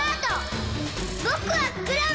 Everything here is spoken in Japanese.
ぼくはクラム！